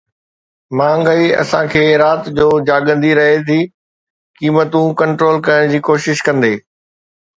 مهانگائي اسان کي رات جو جاڳندي رهي ٿي قيمتون ڪنٽرول ڪرڻ جي ڪوشش ڪندي